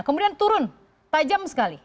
kemudian turun tajam sekali